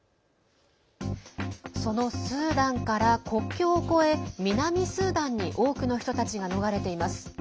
そのスーダンから国境を越え南スーダンに多くの人たちが逃れています。